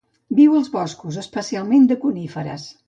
Viu als boscos, especialment de coníferes.